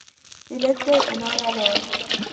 Il était une heure alors.